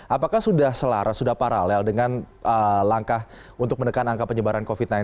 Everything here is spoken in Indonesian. apakah sudah selara sudah paralel dengan langkah untuk menekan angka penyebaran covid sembilan belas